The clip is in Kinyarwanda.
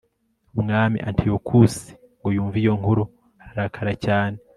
umwami antiyokusi ngo yumve iyo nkuru ararakara cyane